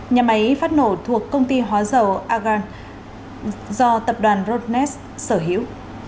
nhà máy phát nổ thuộc công ty hóa dầu argan do tập đoàn rodnes sở hữu